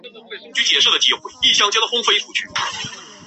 比赛颁奖礼与国际数学奥林匹克香港队授旗礼一同举行。